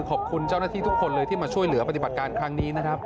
ขอบคุณเจ้าหน้าที่ทุกคนเลยที่มาช่วยเหลือปฏิบัติการครั้งนี้นะครับ